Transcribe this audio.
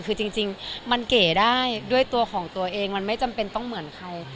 คือจริงมันเก๋ได้ด้วยตัวของตัวเองมันไม่จำเป็นต้องเหมือนใคร